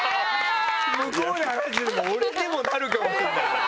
向こうで話してても俺でもなるかもしれない。